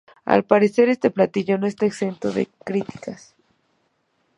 Al parecer este platillo no está exento de críticas.